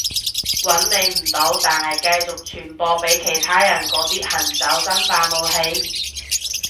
搵你唔到但係繼續傳播畀其他人嗰啲行走生化武器？